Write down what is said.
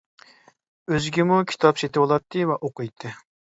ئۆزىگىمۇ كىتاب سېتىۋالاتتى ۋە ئوقۇيتتى.